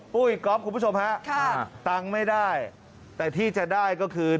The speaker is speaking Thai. ปู้อินกรอบคุณผู้ชมฮะตังค์ไม่ได้แต่ที่จะได้ก็คือค่ะ